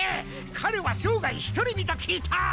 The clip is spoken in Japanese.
彼は生涯独り身と聞いた！